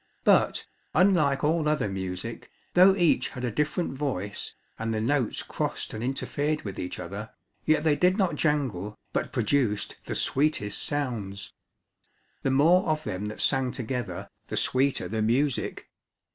But, unlike all other music, though each had a different voice and the notes crossed and interfered with each other, yet they did not jangle, but produced the sweetest sounds. The more of them that sang together, the sweeter the music.